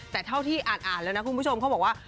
แต่เท่าที่อ่านแล้วนะคุณผู้ชมเขาบอกว่า